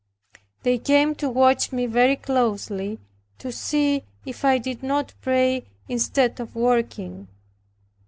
They came to watch me very closely, to see if I did not pray instead of working.